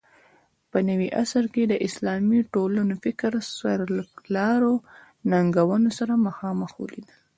په نوي عصر کې اسلامي ټولنو فکر سرلارو ننګونو سره مخامخ ولیدل